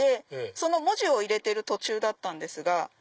その文字を入れてる途中だったんですが。